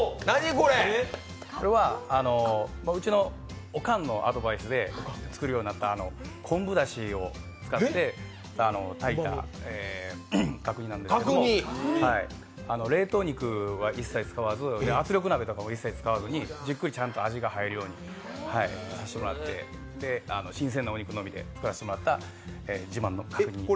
うちのおかんのアドバイスで作るようになった昆布だしを使って炊いた角煮なんですけれども冷凍肉は一切使わず、圧力鍋とかも一切使わずじっくりちゃんと味が入るようにさせてもらって新鮮なお肉のみで作らせてもらった自慢の角煮です。